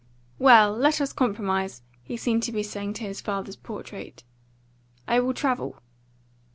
"Well let us compromise," he seemed to be saying to his father's portrait. "I will travel."